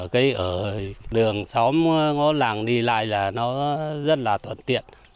cái ở đường xóm ngó làng đi lại là nó rất là tuần tiện